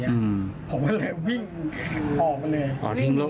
ผมก็เลยวิ่งออกเลย